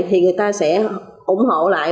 thì người ta sẽ ủng hộ lại